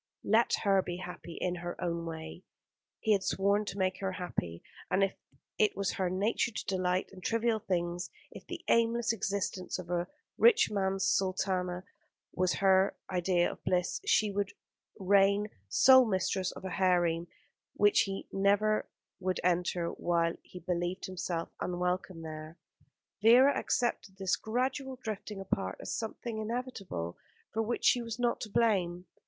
Let her be happy in her own way. He had sworn to make her happy: and if it was her nature to delight in trivial things, if the aimless existence of a rich man's sultana was her idea of bliss, she should reign sole mistress of a harem which he would never enter while he believed himself unwelcome there. Vera accepted this gradual drifting apart as something inevitable, for which she was not to blame.